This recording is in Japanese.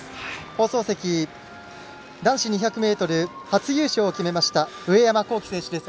放送席、男子２００ｍ初優勝を決めました上山紘輝選手です。